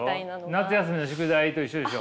夏休みの宿題と一緒でしょ？